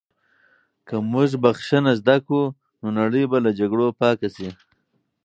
که موږ بښنه زده کړو، نو نړۍ به له جګړو پاکه شي.